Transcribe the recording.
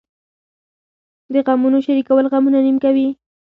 د غمونو شریکول غمونه نیم کموي .